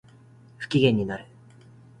不機嫌になる